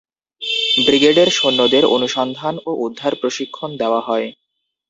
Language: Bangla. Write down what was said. ব্রিগেডের সৈন্যদের অনুসন্ধান ও উদ্ধার প্রশিক্ষণ দেওয়া হয়।